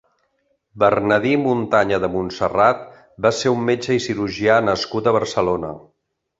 Bernadí Muntanya de Montserrat va ser un metge i cirurgià nascut a Barcelona.